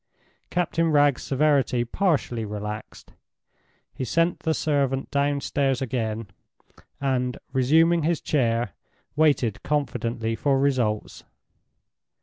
Captain Wragge's severity partially relaxed. He sent the servant downstairs again, and, resuming his chair, waited confidently for results.